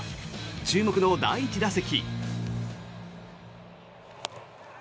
注目の第１打席。